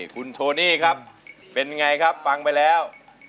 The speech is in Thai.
คุณโทนี่ครับเป็นไงครับฟังไปแล้ว